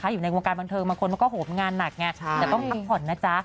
อยู่ในวงการบันเทิงบางคนก็โหมงานหนักไงแต่ต้องพักผ่อนนะจ๊ะ